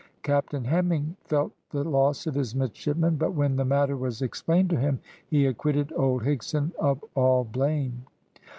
Captain Hemming felt the loss of his midshipmen; but when the matter was explained to him, he acquitted old Higson of all blame.